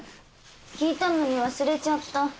聞いたのに忘れちゃった。